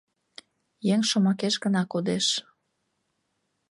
Еҥ шомакеш гына кодеш.